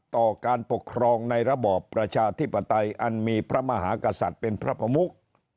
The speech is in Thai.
ต่อการปกครองในระบอบประชาธิปไตยอันมีพระมหากษัตริย์เป็นพระประมุก